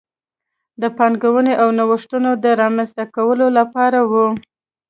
د پانګونې او نوښتونو د رامنځته کولو لپاره و.